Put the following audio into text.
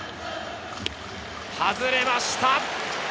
外れました。